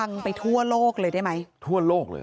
ชาวบ้านในพื้นที่บอกว่าปกติผู้ตายเขาก็อยู่กับสามีแล้วก็ลูกสองคนนะฮะ